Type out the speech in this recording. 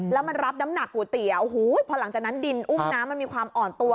แล้วมันรับน้ำหนักก๋วยเตี๋ยวโอ้โหพอหลังจากนั้นดินอุ้มน้ำมันมีความอ่อนตัว